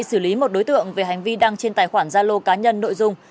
xử lý một đối tượng về hành vi đăng trên tài khoản gia lô cá nhân nội dung